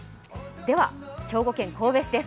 兵庫県神戸市です